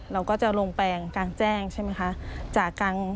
เราก็จะลงแปลงกลางแจ้งใช่ไหมคะ